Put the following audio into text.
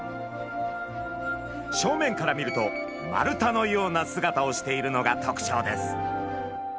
正面から見ると丸太のような姿をしているのがとくちょうです。